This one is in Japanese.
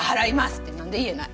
ってなんで言えない？